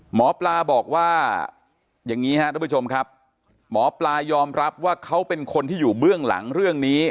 หมอปลาบอกว่าอย่างนี้ครับทุกผู้ชมครับหมอปลายอมรับว่าเขาเป็นคนที่อยู่เบื้องหลังเรื่องนี้